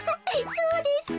そうですか。